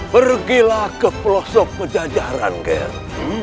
pergilah ke pelosok pajajaran gert